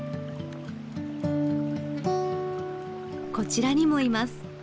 こちらにもいます。